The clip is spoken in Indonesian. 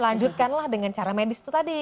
lanjutkanlah dengan cara medis itu tadi